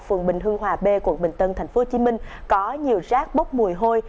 phường bình hương hòa b quận bình tân tp hcm có nhiều rác bốc mùi hôi